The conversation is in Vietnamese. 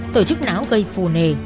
tổ chức náo gây phù nề